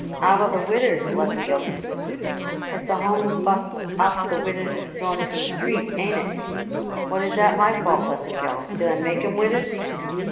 "Aber the widders?" Lesengeld insisted. "If the Home busts up the widders is thrown into the street. Ain't it?" "What is that my fault, Lesengeld? Did I make 'em widders?"